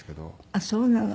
あっそうなの。